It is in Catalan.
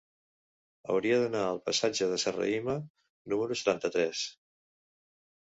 Hauria d'anar al passatge de Serrahima número setanta-tres.